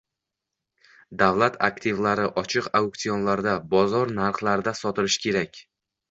Davlat aktivlari ochiq auktsionlarda, bozor narxlarida sotilishi kerak